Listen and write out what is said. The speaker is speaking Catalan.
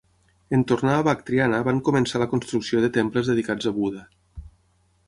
En tornar a Bactriana van començar la construcció de temples dedicats a Buda.